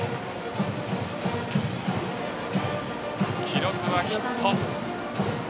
記録はヒット。